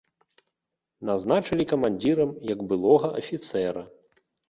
Назначылі камандзірам, як былога афіцэра.